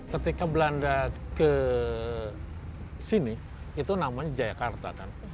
ketika belanda ke sini itu namanya jayakarta kan